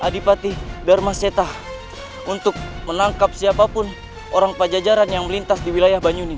darmaceta untuk menangkap siapapun orang pajajaran yang melintas di wilayah banyuning